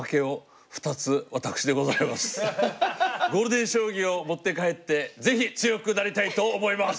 ゴールデン将棋を持って帰って是非強くなりたいと思います。